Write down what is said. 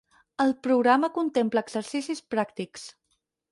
El programa contempla exercicis pràctics.